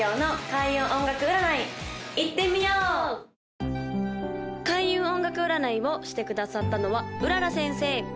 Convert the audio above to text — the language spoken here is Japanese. ・開運音楽占いをしてくださったのは麗先生